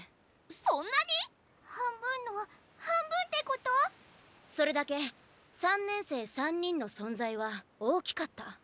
そんなに⁉半分の半分ってこと⁉それだけ３年生３人の存在は大きかった。